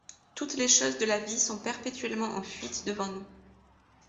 Toutes les choses de la vie sont perpétuellement en fuite devant nous.